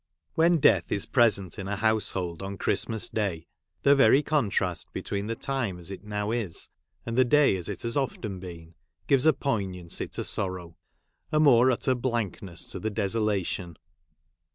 W7HEN Death is present in a household on a Christmas Day, the very contrast between the time as it now is, and the day as it has often been, gives a poignancy to sorrow, — a more utter blankness to the desolation.